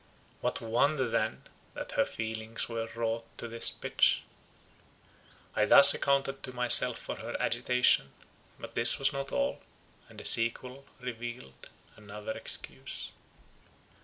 What wonder then, that her feelings were wrought to this pitch! I thus accounted to myself for her agitation; but this was not all, and the sequel revealed another excuse.